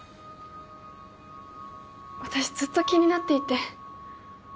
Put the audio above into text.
私ずっと気になっていて。